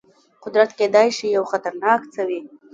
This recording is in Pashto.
قدرت کېدای شي یو خطرناک څه وي.